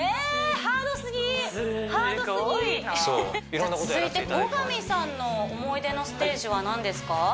ハードすぎハードすぎそう続いて後上さんの思い出のステージは何ですか？